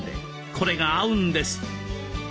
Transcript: これが合うんです。